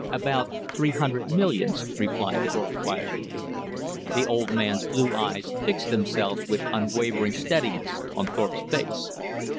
"About three hundred millions," replied Thorpe quietly. The old man's blue eyes fixed themselves with unwavering steadiness on Thorpe's face.